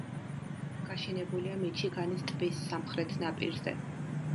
გაშენებულია მიჩიგანის ტბის სამხრეთ ნაპირზე.